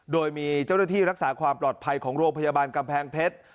โดยมีเจ้าหน้าที่รักษาความปลอดภัยของโรงพยาบาลกำแพงเพชร